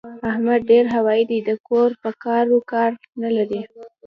احمد ډېر هوايي دی؛ د کور په کارو کار نه لري.